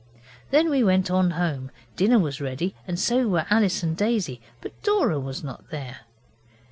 Then we went on home. Dinner was ready and so were Alice and Daisy, but Dora was not there.